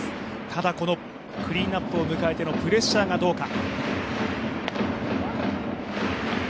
ただ、クリーンアップを迎えてのプレッシャーがどうか。